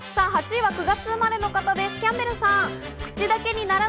８位は９月生まれの方です、キャンベルさん。